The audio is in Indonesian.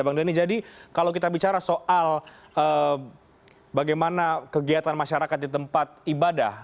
bang denny jadi kalau kita bicara soal bagaimana kegiatan masyarakat di tempat ibadah